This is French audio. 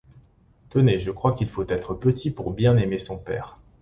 Tenez, je crois qu’il faut être petit pour bien aimer son père!